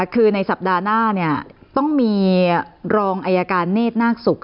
คือในสัปดาห์หน้าต้องมีรองอายการเนธนาคศุกร์